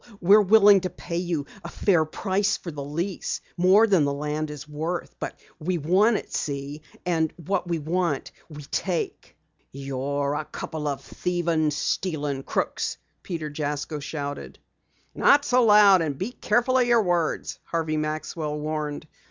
We're willing to pay you a fair price for the lease, more than the land is worth. But we want it, see? And what we want we take." "You're a couple of thievin', stealin' crooks!" Peter Jasko shouted. "Not so loud, and be careful of your words," Harvey Maxwell warned.